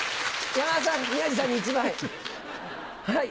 山田さん、宮治さんに１枚。